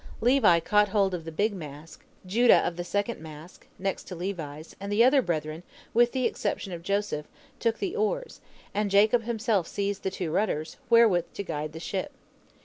Levi caught hold of the big mast, Judah of the second mast, next to Levi's, and the other brethren, with the exception of Joseph, took the oars, and Jacob himself seized the two rudders, wherewith to guide the ship.